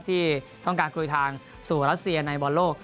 ที่ต้องการคุยทางสู่รัสเซียในบอลโลก